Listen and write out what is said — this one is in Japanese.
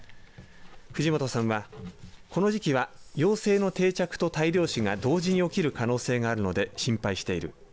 藤本さんはこの時期は、幼生の定着と大量死が同時に起きる可能性があるので心配している。